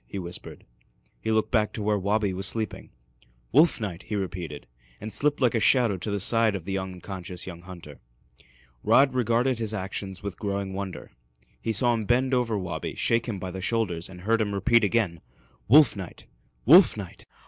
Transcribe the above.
he whispered. He looked back to where Wabi was sleeping. "Wolf night!" he repeated, and slipped like a shadow to the side of the unconscious young hunter. Rod regarded his actions with growing wonder. He saw him bend over Wabi, shake him by the shoulders, and heard him repeat again, "Wolf night! Wolf night!"